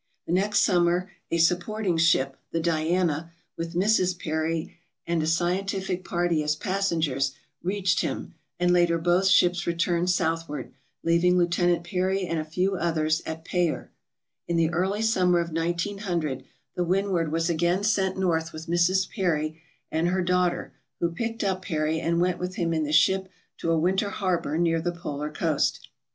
The next summer a supporting ship, the "Diana," with Mrs. Peary and a scientific party as passengers, reached him, and later both ships returned southward, leaving Lieutenant Peary and a few others at Payer. In the early summer of 1900 the "Windward" was again sent north with Mrs. Peary and her daughter, who picked up Peary and went with him in the ship to a winter harbor near the polar coast.